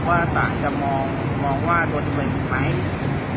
คือเราจะบอกก่อนเลยว่าถ้าเผื่อเขามาตั้งแต่แรก